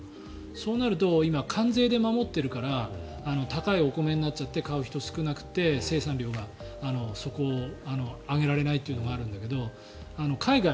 そうなると今、関税で守っているから高いお米になっちゃって買う人が少なくて生産量が上げられないというのがあるんだけど海外、